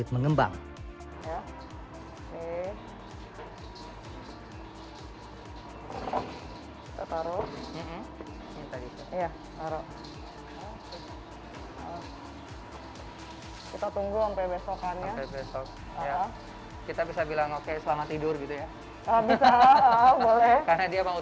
kita bisa menghidupkan suhu